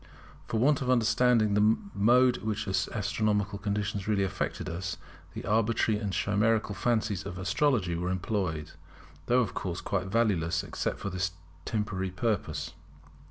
For want of understanding the mode in which astronomical conditions really affected us, the arbitrary and chimerical fancies of astrology were employed, though of course quite valueless except for this temporary purpose.